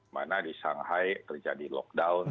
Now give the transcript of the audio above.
mana di shanghai terjadi lockdown